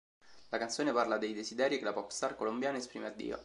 La canzone parla dei desideri che la Popstar colombiana esprime a Dio.